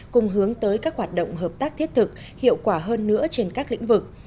cùng hướng tới các hoạt động hợp tác thiết thực hiệu quả hơn nữa trên các lĩnh vực